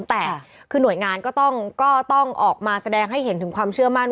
แต่คือหน่วยงานก็ต้องออกมาแสดงให้เห็นถึงความเชื่อมั่น